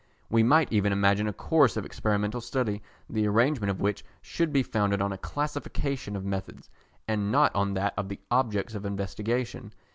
We might even imagine a course of experimental study the arrangement of which should be founded on a classification of methods, and not on that of the objects of investigation.